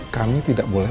kami tidak boleh